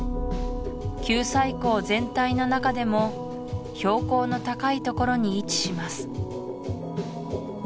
九寨溝全体の中でも標高の高いところに位置します